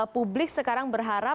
publik sekarang berharap